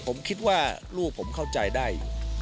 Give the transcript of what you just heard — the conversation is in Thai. ผมคิดว่าลูกผมเข้าใจได้